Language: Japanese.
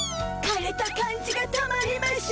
かれた感じがたまりましぇん。